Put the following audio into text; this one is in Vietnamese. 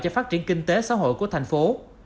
cho phát triển kinh tế xã hội của thành phố